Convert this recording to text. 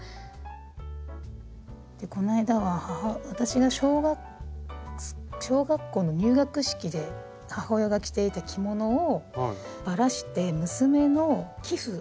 でこの間は私が小学校の入学式で母親が着ていた着物をばらして娘の被布。